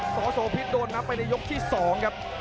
สโสพิษโดนนับไปในยกที่๒ครับ